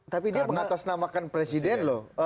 tapi dia mengatasnamakan presiden loh